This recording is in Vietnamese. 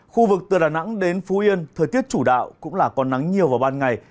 khu vực từ đà nẵng đến phú yên thời tiết chủ đạo cũng là có nắng nhiều vào ban ngày